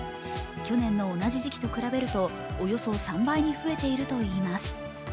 去年の同じ時期と比べるとおよそ３倍に増えているといいます。